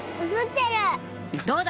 「どうだ？